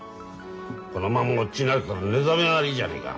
このままおっちなれたら寝覚めが悪いじゃねえか。